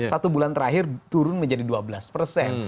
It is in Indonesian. satu bulan terakhir turun menjadi dua belas persen